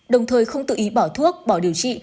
đồng thời không tự ý bỏ thuốc bỏ điều trị